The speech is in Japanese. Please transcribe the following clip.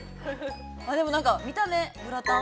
でもなんか見た目、グラタン。